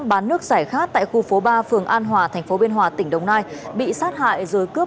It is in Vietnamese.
bán nước giải khát tại khu phố ba phường an hòa thành phố biên hòa tỉnh đồng nai bị sát hại rồi cướp